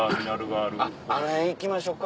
あの辺行きましょうか。